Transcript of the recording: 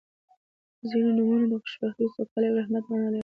• ځینې نومونه د خوشبختۍ، سوکالۍ او رحمت معنا لري.